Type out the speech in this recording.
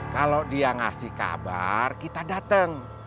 kalau dia ngasih kabar kita datang